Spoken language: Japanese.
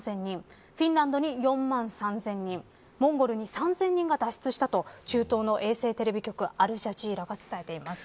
フィンランドに４万３０００人モンゴルに３０００人が脱出したと中東の衛星テレビ局アルジャジーラが伝えています。